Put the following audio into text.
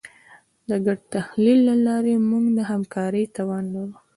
د ګډ تخیل له لارې موږ د همکارۍ توان لرو.